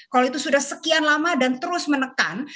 kalau itu sudah sekian lama dan terus menekan